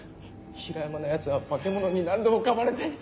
平山のヤツは化け物に何度も噛まれていた。